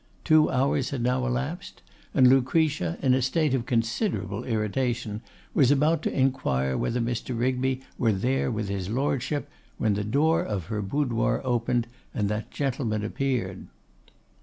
Two hours had now elapsed, and Lucretia, in a state of considerable irritation, was about to inquire whether Mr. Rigby were with his Lordship when the door of her boudoir opened, and that gentleman appeared.